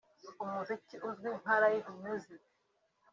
umuziki uzwi nka Live Music